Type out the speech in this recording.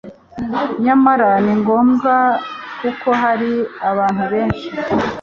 nyamara ni ngombwa, kuko hari abantu benshi